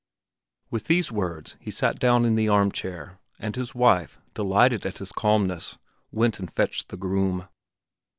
With these words he sat down in the arm chair and his wife, delighted at his calmness, went and fetched the groom.